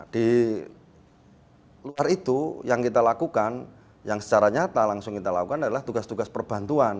di luar itu yang kita lakukan yang secara nyata langsung kita lakukan adalah tugas tugas perbantuan